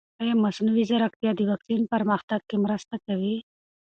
ایا مصنوعي ځیرکتیا د واکسین پرمختګ کې مرسته کوي؟